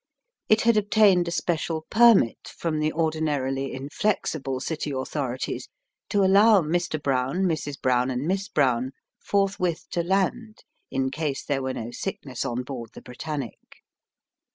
It had obtained a special permit from the ordinarily inflexible city authorities to allow Mr. Brown, Mrs. Brown, and Miss Brown, forthwith to land in case there were no sickness on board the Britannic.